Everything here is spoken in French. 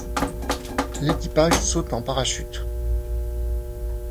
L’équipage saute en parachute.